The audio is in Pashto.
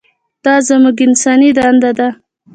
دا زموږ انساني دنده ده.